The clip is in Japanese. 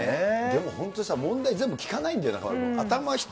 でも本当にさ、問題全部聞かないんだよ、中丸君。